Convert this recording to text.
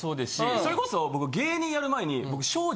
それこそ僕芸人やる前に。